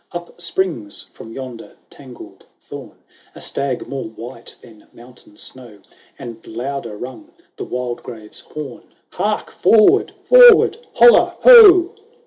xiv Up springs, from yonder tangled thorn, A stag more white than mountain snow ; And louder rung the Wildgrave's horn, " Hark, forward, forward ! holla, ho